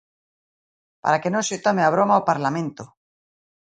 ¡Para que non se tome a broma o Parlamento!